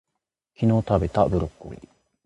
昨日たべたブロッコリー